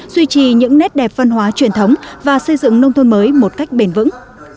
duy trì những nét đẹp văn hóa truyền thống và xây dựng nông thôn mới một cách bền vững